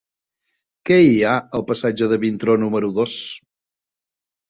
Què hi ha al passatge de Vintró número dos?